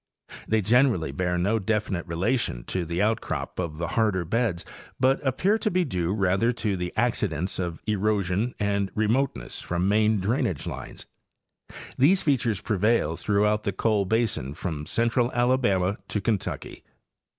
They gen erally bear no definite relation to the outcrop of the harder beds, but appear to be due rather to the accidents of erosion and remoteness from main drainage lines. These features prevail throughout the coal basin from central Alabama to Kentucky.